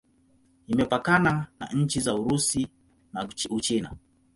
Imepakana na nchi za Urusi na Uchina.